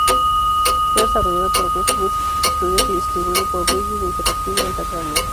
Fue desarrollado por Westwood Studios y distribuido por Virgin Interactive Entertainment.